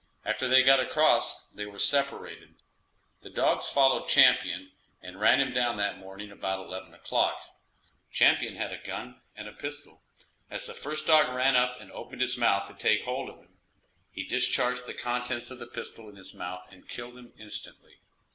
After they got across they were separated; the dogs followed Champion, and ran him down that morning about eleven o'clock. Champion had a gun and pistol; as the first dog ran up and opened his mouth to take hold of him he discharged the contents of the pistol in his mouth and killed him instantly.